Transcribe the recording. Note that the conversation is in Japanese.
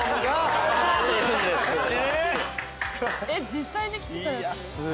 実際に着てたやつ？